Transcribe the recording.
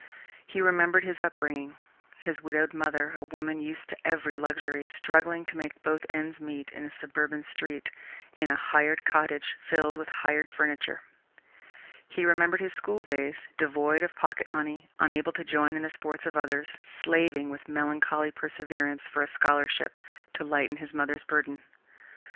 He remembered his upbringing, his widowed mother, a woman used to every luxury, struggling to make both ends meet in a suburban street, in a hired cottage filled with hired furniture. He remembered his schooldays, devoid of pocket money, unable to join in the sports of others, slaving with melancholy perseverance for a scholarship to lighten his mother's burden.